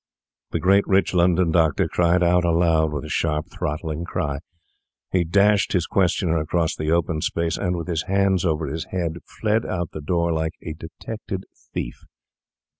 The great rich London doctor cried out aloud with a sharp, throttling cry; he dashed his questioner across the open space, and, with his hands over his head, fled out of the door like a detected thief.